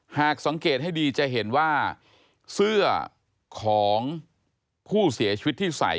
หากสังเกตให้ดีจะเห็นว่าเสื้อของผู้เสียชีวิตที่ใส่